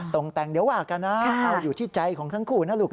ตรงแต่งเดี๋ยวว่ากันนะเอาอยู่ที่ใจของทั้งคู่นะลูก